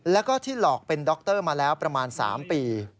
แล้วก็ที่หลอกเป็นดรมาแล้วประมาณ๓ปี